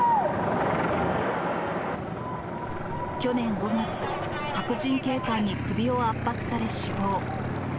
去年５月、白人警官に首を圧迫され、死亡。